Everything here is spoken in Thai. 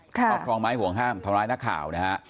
ครอบครองไม้ห่วงห้ามทำร้ายนักข่าวนะฮะ